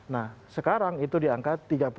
nah sekarang itu dianggap